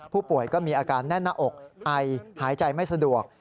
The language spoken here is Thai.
ผู้ป่วยก็มีอาการแน่นหน้าอกไอหายใจไม่สะดวก